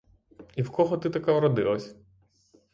І в кого ти така вродилась?